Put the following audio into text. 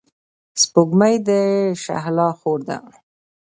سپوږمۍ د شهلا خور ده.